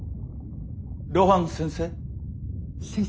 露伴先生？